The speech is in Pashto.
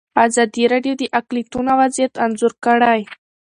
ازادي راډیو د اقلیتونه وضعیت انځور کړی.